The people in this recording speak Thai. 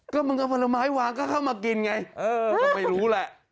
ก็มึงเอาผลไม้วางก็เข้ามากินไงเออก็ไม่รู้แหละ